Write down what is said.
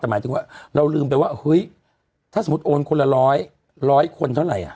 แต่หมายถึงว่าเราลืมไปว่าเฮ้ยถ้าสมมุติโอนคนละร้อยร้อยคนเท่าไหร่อ่ะ